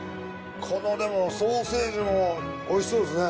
任ソーセージもおいしそうですね。